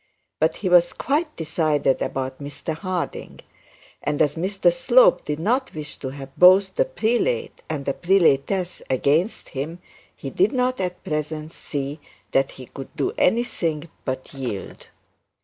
But he was quite decided about Mr Harding; and as Mr Slope did not wish to have both the prelate and the prelatess against him, he did not at present see that he could do anything but yield.